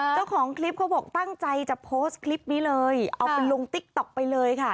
เจ้าของคลิปเขาบอกตั้งใจจะโพสต์คลิปนี้เลยเอาไปลงติ๊กต๊อกไปเลยค่ะ